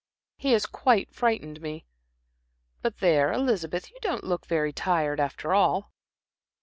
He has quite frightened me. But there, Elizabeth, you don't look so very tired, after all."